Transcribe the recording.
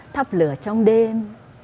thắp lửa trong đêm